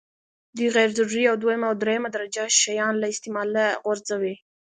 دوی غیر ضروري او دویمه او درېمه درجه شیان له استعماله غورځوي.